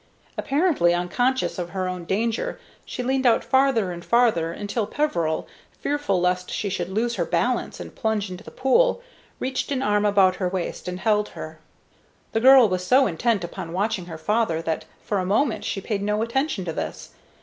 Apparently unconscious of her own danger, she leaned out farther and farther, until Peveril, fearful lest she should lose her balance and plunge into the pool, reached an arm about her waist and held her. The girl was so intent upon watching her father that for a moment she paid no attention to this.